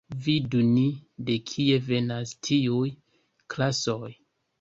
Vidu ni, de kie venas tiuj klasoj.